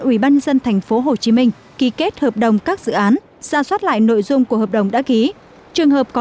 ủy ban nhân dân tp hcm ký kết hợp đồng các dự án ra soát lại nội dung của hợp đồng đã ký trường hợp có